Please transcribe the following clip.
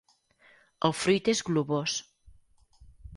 El fruit és globós.